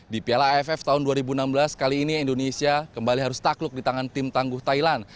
di piala aff tahun dua ribu enam belas kali ini indonesia kembali harus takluk di tangan tim tangguh thailand